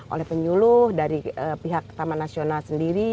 oleh penyuluh dari pihak taman nasional sendiri